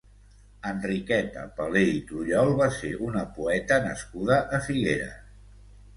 Enriqueta Paler i Trullol va ser una poeta nascuda a Figueres.